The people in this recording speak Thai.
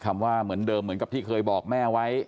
คำว่าเหมือนเดิมเหมือนกับที่เคยบอกแม่ไว้